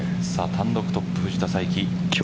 単独トップ、藤田さいき。